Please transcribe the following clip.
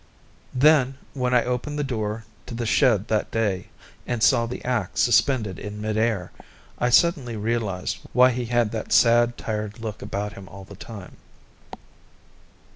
Then, when I opened the door to the shed that day, and saw the axe suspended in mid air, I suddenly realized why he had that sad, tired look about him all the time.